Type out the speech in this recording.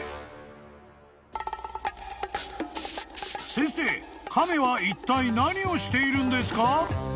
［先生亀はいったい何をしているんですか？］